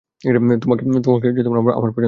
তোমাকে আমার পছন্দ হয়েছে।